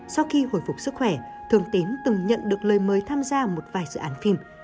sau khi hồi phục sức khỏe thường tín từng nhận được lời mời tham gia một vài dự án phim